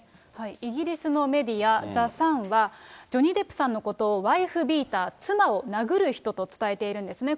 イギリスのメディア、ザ・サンは、ジョニー・デップさんのことをワイフビーター、妻を殴る人と伝えているんですね。